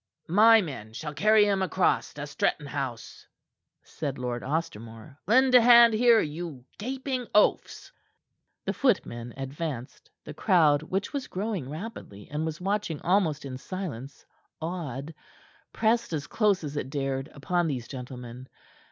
"My men shall carry him across to Stretton House," said Lord Ostermore. "Lend a hand here, you gaping oafs." The footmen advanced. The crowd, which was growing rapidly and was watching almost in silence, awed, pressed as close as it dared upon these gentlemen.